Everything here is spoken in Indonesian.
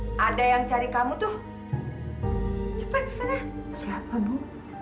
ibu sakit ada yang cari kamu tuh cepet kesana siapa bu